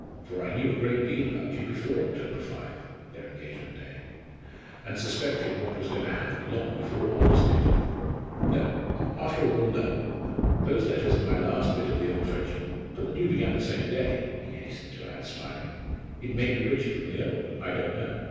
For I knew a great deal about you before October 5" (their engagement day), "and suspected what was going to happen long before Aldous did. No; after all, no! Those letters are my last bit of the old friendship. But the new began that same day," he hastened to add, smiling: "It may be richer than the old; I don't know.